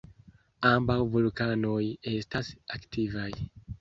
Ambaŭ vulkanoj estas aktivaj.